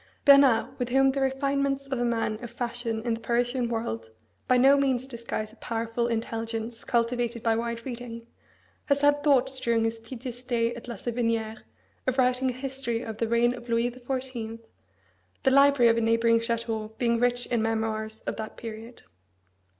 Bernard, with whom the refinements of a man of fashion in the Parisian world by no means disguise a powerful intelligence cultivated by wide reading, has had thoughts during his tedious stay at La Savinière of writing a history of the reign of Louis the Fourteenth, the library of a neighbouring château being rich in memoirs of that period.